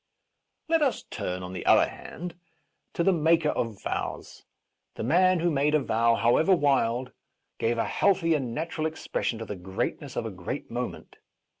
Let us turn, on the other hand, to the maker of vows. The man who made a vow, however wild, gave a healthy and natural expression to the greatness of a great moment.